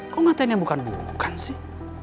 kok ngatain yang bukan bukan sih